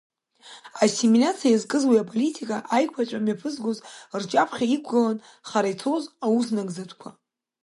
Ассимилиациа иазкыз уи аполитика аиқәаҵәа мҩаԥызгоз рҿаԥхьа иқәгылан хара ицоз ауснагӡатәқәа…